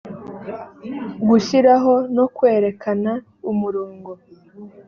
gushyiraho no kwerekana umurongo